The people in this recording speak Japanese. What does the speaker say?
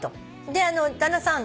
旦那さん